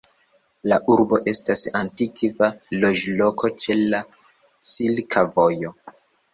La urbo estas antikva loĝloko ĉe la Silka Vojo.